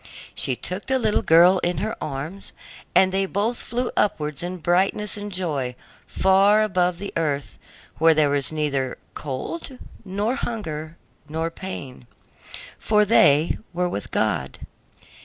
She took the little girl in her arms, and they both flew upwards in brightness and joy far above the earth, where there was neither cold nor hunger nor pain, for they were with God.